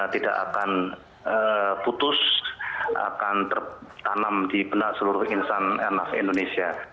tidak akan putus akan tertanam di benak seluruh insan airnav indonesia